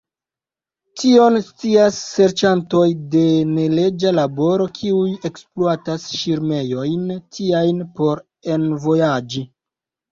Tion scias serĉantoj de neleĝa laboro, kiuj ekspluatas ŝirmejojn tiajn por envojaĝi.